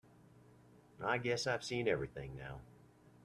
I guess I've seen everything now.